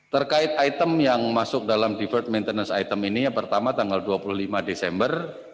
terkait item yang masuk dalam devert maintenance item ini yang pertama tanggal dua puluh lima desember